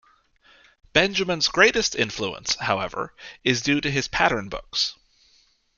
Benjamin's greatest influence, however, is due to his pattern books.